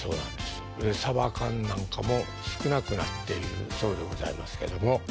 サバ缶なんかも少なくなってるそうでございますけども。